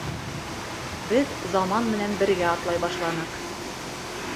Беҙ заман менән бергә атлай башланыҡ.